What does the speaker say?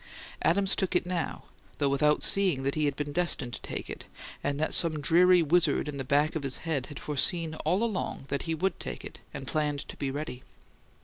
Adams took it now, though without seeing that he had been destined to take it, and that some dreary wizard in the back of his head had foreseen all along that he would take it, and planned to be ready.